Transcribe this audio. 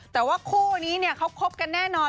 แต่ว่าคู่นี้เขาคบกันแน่นอน